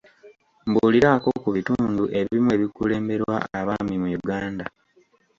Mbuuliraako ku bitundu ebimu ebikulemberwa abaami mu Uganda.